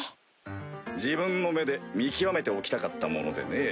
自分の目で見極めておきたかったものでね。